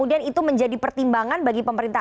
disampaikan tidak mbak dia